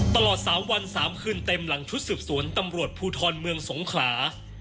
ตลอด๓วัน๓คืนเต็มหลังชุดสืบสวนตำรวจภูทรเมืองสงขลา